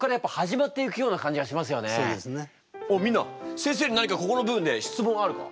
先生に何かここの部分で質問あるか？